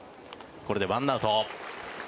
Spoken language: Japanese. これで１アウト。